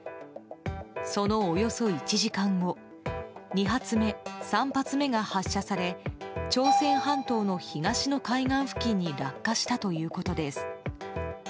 そのおよそ１時間後２発目、３発目が発射され朝鮮半島の東の海岸付近に落下したということです。